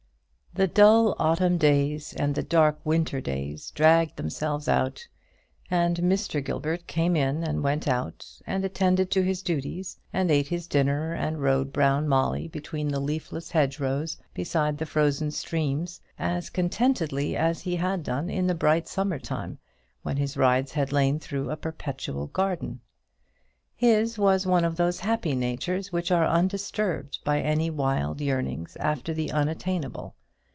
The dull autumn days and the dark winter days dragged themselves out, and Mr. Gilbert came in and went out, and attended to his duties, and ate his dinner, and rode Brown Molly between the leafless hedgerows, beside the frozen streams, as contentedly as he had done in the bright summer time, when his rides had lain through a perpetual garden. His was one of those happy natures which are undisturbed by any wild yearnings after the unattainable.